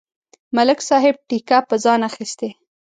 ملک صاحب ټېکه په ځان اخستې.